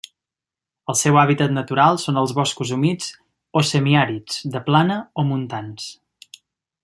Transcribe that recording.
El seu hàbitat natural són els boscos humits o semiàrids, de plana o montans.